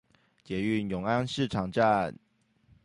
捷運永安市場站